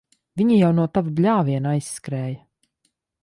Viņi jau no tava bļāviena aizskrēja.